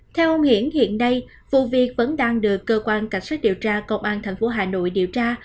theo ông hiển hiện nay vụ việc vẫn đang được cơ quan cảnh sát điều tra công an tp hà nội điều tra